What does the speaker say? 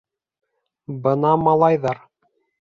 Бына малайҙар...